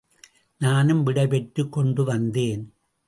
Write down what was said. நானும் விடைபெற்றுக் கொண்டு வந்தேன்.